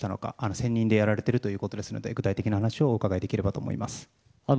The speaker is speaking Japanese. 専任でやられているということですので具体的な話をお伺いできればと思います。